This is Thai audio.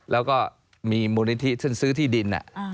แล้วก็มีมูลนิธิซึ่งซื้อที่ดิน